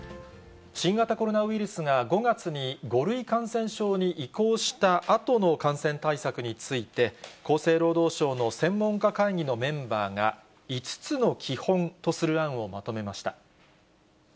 新型コロナウイルスが５月に５類感染症に移行したあとの感染対策について、厚生労働省の専門家会議のメンバーが、５つの基本とする案をまとめました。